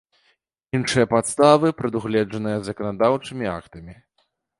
iншыя падставы, прадугледжаныя заканадаўчымi актамi.